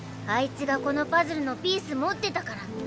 あいつがこのパズルのピース持ってたから。